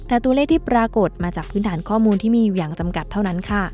แต่ตัวเลขที่ปรากฏมาจากพื้นฐานข้อมูลที่มีอยู่อย่างจำกัดเท่านั้นค่ะ